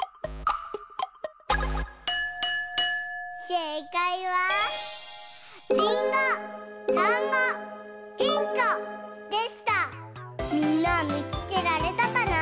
せいかいはみんなみつけられたかな？